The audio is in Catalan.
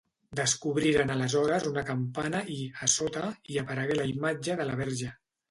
Descobriren aleshores una campana i, a sota, hi aparegué la imatge de la Verge.